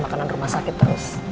makanan rumah sakit terus